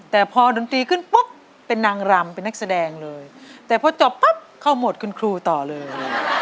แต่พอดนตรีขึ้นปุ๊บเป็นนางรำเป็นนักแสดงเลยแต่พอจบปั๊บเข้าหมดคุณครูต่อเลย